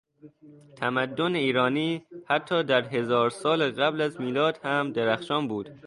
تمدن ایرانی حتی در هزار سال قبل از میلاد هم درخشان بود.